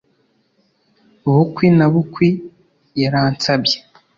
Bukwi na bukwi, yaransabye.